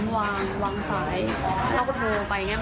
แล้วเราก็แบบว่าเราก็ด่าค่ะ